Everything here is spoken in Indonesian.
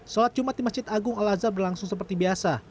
sholat jumat di masjid agung al azhar berlangsung seperti biasa